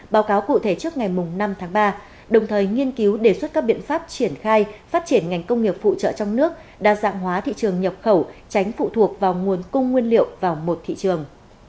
báo cáo cụ thể trước ngày năm tháng ba đồng thời nghiên cứu đề xuất các biện pháp triển khai phát triển ngành công nghiệp phụ trợ trong nước đa dạng hóa thị trường nhập khẩu tránh phụ thuộc vào nguồn cung nguyên liệu vào một thị trường